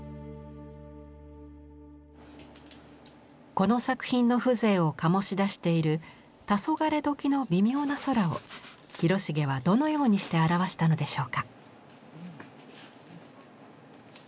この作品の風情を醸し出している黄昏時の微妙な空を広重はどのようにして表したのでしょうか。